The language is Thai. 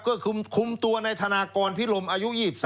ก็คุมตัวในธนากรพิรมอายุ๒๓